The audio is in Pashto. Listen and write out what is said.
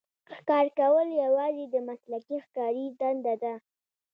ښکار کول یوازې د مسلکي ښکاري دنده ده.